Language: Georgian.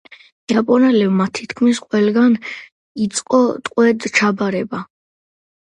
იაპონელებმა თითქმის ყველგან იწყო ტყვედ ჩაბარება.